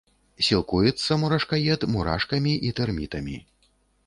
Сілкуецца мурашкаед мурашкамі і тэрмітамі.